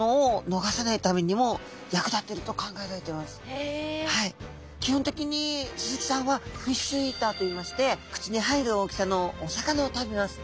これが基本的にスズキちゃんはフィッシュイーターといいまして口に入る大きさのお魚を食べます。